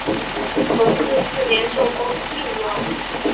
弘治四年受封泾王。